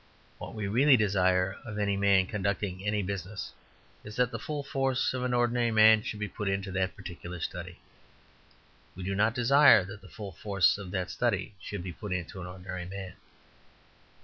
What we really desire of any man conducting any business is that the full force of an ordinary man should be put into that particular study. We do not desire that the full force of that study should be put into an ordinary man.